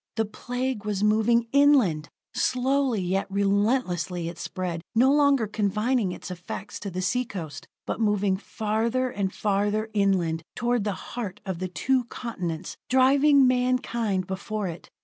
The Plague was moving inland! Slowly, yet relentlessly it spread, no longer confining its effect to the sea coast, but moving farther and farther inland toward the heart of the two continents, driving mankind before it.